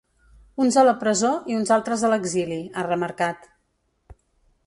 Uns a la presó i uns altres a l’exili, ha remarcat.